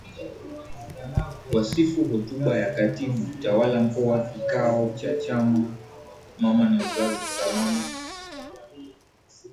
Wasifu hotuba ya katibu tawala mkoa kikao cha chama mama na uzazi salama